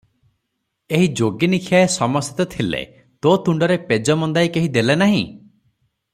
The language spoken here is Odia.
ଏହି ଯୋଗିନୀଖିଆଏ ସମସ୍ତେ ତ ଥିଲେ, ତୋ ତୁଣ୍ଡରେ ପେଜ ମନ୍ଦାଏ କେହି ଦେଲେ ନାହିଁ?